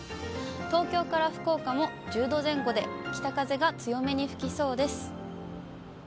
東京から福岡も１０度前後で、北風が強めに吹きそうです。